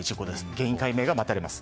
原因解明が待たれます。